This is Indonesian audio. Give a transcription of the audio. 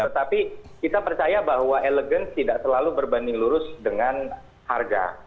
tetapi kita percaya bahwa elegan tidak selalu berbanding lurus dengan harga